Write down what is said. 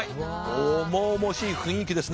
重々しい雰囲気ですね。